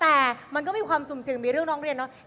แต่มันก็มีความสุ่มเสี่ยงมีเรื่องร้องเรียนเนาะ